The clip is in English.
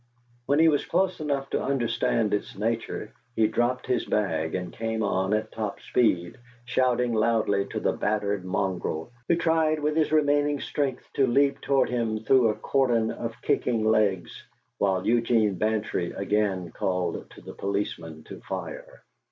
When he was close enough to understand its nature, he dropped his bag and came on at top speed, shouting loudly to the battered mongrel, who tried with his remaining strength to leap toward him through a cordon of kicking legs, while Eugene Bantry again called to the policeman to fire.